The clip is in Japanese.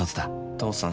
父さん